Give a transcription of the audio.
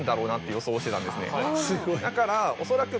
だから恐らく。